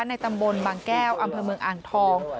ในตำบลบางแก้วอำเภอเมืองอ่างทอง